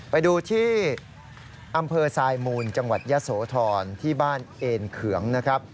ไปดูที่อำเภอทรายมูลจังหวัดยะโสธรที่บ้านเอนเขืองนะครับ